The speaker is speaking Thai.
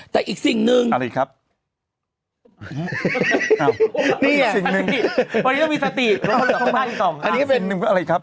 แต่อีกสิ่งนึงอะไรครับ